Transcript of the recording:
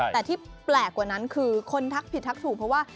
แต่ที่แปลกกว่านั้นคือคนทักผิดทักถูกเพราะว่า